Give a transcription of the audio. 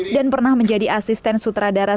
dan pernah menjadi asisten sutradara